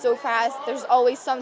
nó rất nhanh chóng